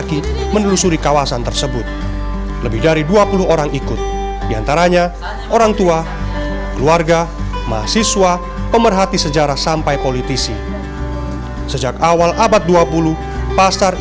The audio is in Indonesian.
kota tua surabaya